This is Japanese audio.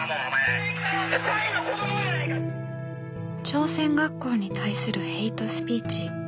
朝鮮学校に対するヘイトスピーチ。